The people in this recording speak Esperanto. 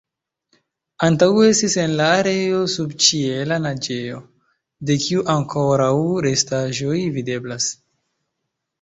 Antaŭe estis en la areo subĉiela naĝejo, de kiu ankoraŭ restaĵoj videblas.